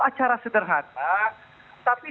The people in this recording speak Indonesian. acara sederhana tapi